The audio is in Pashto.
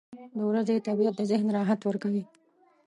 • د ورځې طبیعت د ذهن راحت ورکوي.